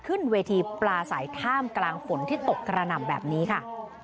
ขึ้นเวทีปลาใสท่ามกลางฝนที่ตกกระหน่ำแบบนี้ค่ะ